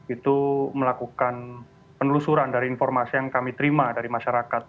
itu melakukan penelusuran dari informasi yang kami terima dari masyarakat